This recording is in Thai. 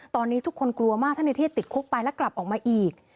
ตอนนี้ทุกคนกลัวมากถ้าในเทศติดคุกไปแล้วกลับออกมาอีก